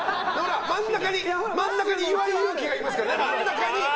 真ん中に岩井勇気がいますからね。